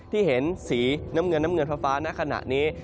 ที่เห็นสีน้ำเงินน้ำเงินฟ้าณขณะนี้